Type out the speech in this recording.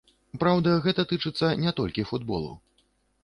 Праўда, гэта тычыцца не толькі футболу.